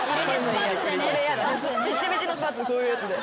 ピチピチのスパッツこういうやつで。